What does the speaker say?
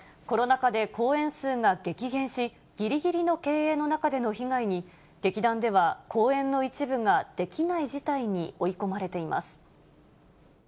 コロナ禍で公演数が激減し、ぎりぎりの経営の中での被害に、劇団では公演の一部ができない事態に追い込まれています。